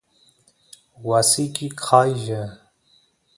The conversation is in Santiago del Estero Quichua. wasiki qaylla